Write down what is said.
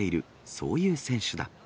そういう選手だ。